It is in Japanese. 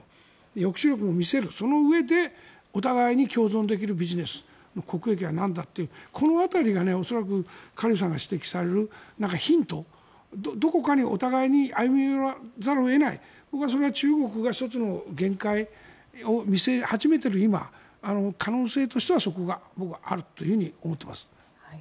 抑止力も見せるそのうえでお互いに共存できるビジネス国益はなんだというこの辺りがカ・リュウさんが指摘されるヒント、どこかにお互いに歩み寄らざるを得ない僕はそれは、中国が１つの限界を見せ始めている今可能性としてはそこが僕はあると思っています。